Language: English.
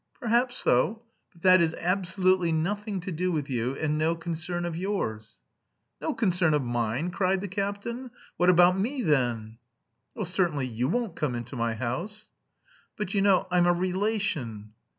"Perhaps so. But that is absolutely nothing to do with you and no concern of yours." "No concern of mine!" cried the captain. "What about me then?" "Well, certainly you won't come into my house." "But, you know, I'm a relation."